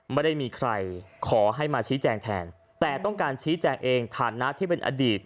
ไม่ได้มีใครขอให้มาชี้แจงแทนแต่ต้องการชี้แจงเองฐานะที่เป็นอดีต